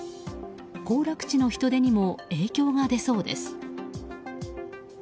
行楽地の人出にも影響が出そうです。